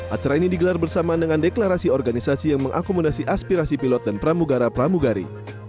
acara ini digelar bersamaan dengan deklarasi organisasi yang mengakomodasi aspirasi pilot dan pramugara pramugari